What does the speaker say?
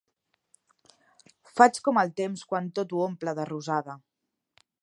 Faig com el temps quan tot ho omple de rosada.